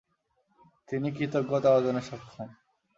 তিনি কৃতজ্ঞতা অর্জনে সক্ষম।